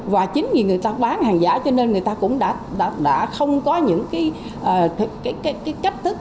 và chính vì người ta bán hàng giả cho nên người ta cũng đã không có những cái cách thức